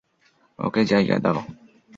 ওকে জায়গা দাও।